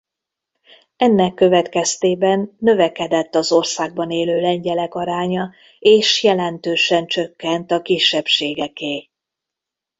Ennek következtében növekedett az országban élő lengyelek aránya és jelentősen csökkent a kisebbségeké.